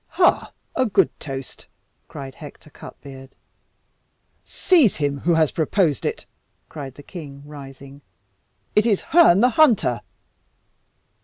"Ha! ha! ha! a good toast!" cried Hector Cutbeard. "Seize him who has proposed it!" cried the king, rising; "it is Herne the Hunter!"